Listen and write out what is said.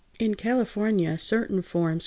In California certain forms (Fig.